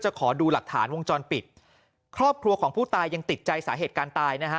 ขอดูหลักฐานวงจรปิดครอบครัวของผู้ตายยังติดใจสาเหตุการณ์ตายนะฮะ